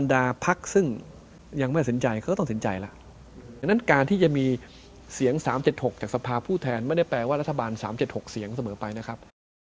ดังนั้นการที่จะมีเสียง๓๗๖จากสภาพผู้แทนไม่ได้แปลว่ารัฐบาล๓๗๖เสียงเสมอไปนะครับ